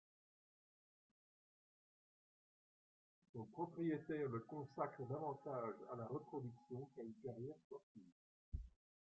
Son propriétaire le consacre davantage à la reproduction qu'à une carrière sportive.